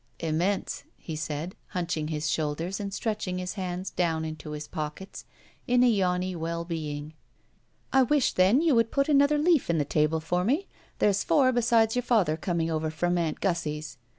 ''Immense," he said, hunching his shoulders and stretching his hands down into his pockets in a yawny well being. "I wish, then, you would put another leaf in the table for me. There's four besides your father coming over from Aunt Gussie's.